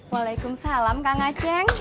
waalaikumsalam kak ngaceng